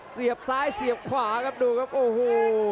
เสียบซ้ายเสียบขวาครับดูครับโอ้โห